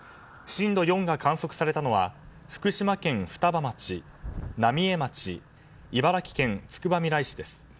震度４が観測されたのは福島県双葉町浪江町茨城県つくばみらい市です。